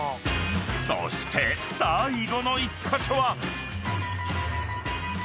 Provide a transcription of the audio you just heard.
［そして最後の１カ所は］